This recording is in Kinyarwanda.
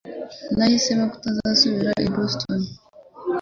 Nahisemo kutazasubira i Boston